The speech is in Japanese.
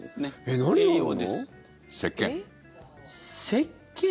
せっけん。